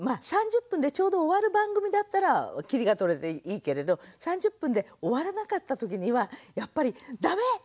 ３０分でちょうど終わる番組だったら切りがとれていいけれど３０分で終わらなかった時にはやっぱり「ダメ！